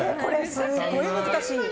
すごい難しい！